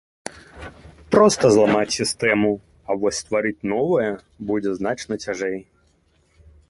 Проста зламаць сістэму, а вось стварыць новае будзе значна цяжэй.